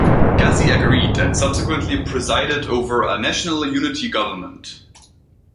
Ghazzi agreed and subsequently presided over a national unity government.